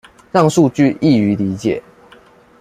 讓數據易於理解